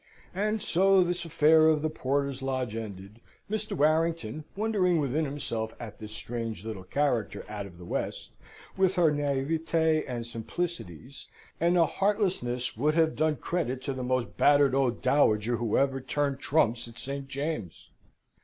And so this affair of the porter's lodge ended, Mr. Warrington wondering within himself at this strange little character out of the West, with her naivete and simplicities, and a heartlessness would have done credit to the most battered old dowager who ever turned trumps in St. James's.